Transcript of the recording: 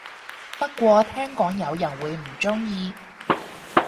不過聽講有人會唔鍾意